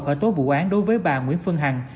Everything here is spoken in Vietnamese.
khởi tố vụ án đối với bà nguyễn phương hằng